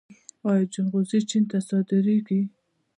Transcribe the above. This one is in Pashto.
آیا جلغوزي چین ته صادریږي؟